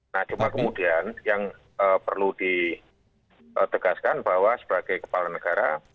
nah cuma kemudian yang perlu ditegaskan bahwa sebagai kepala negara